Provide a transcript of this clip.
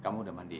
kamu udah mandi ya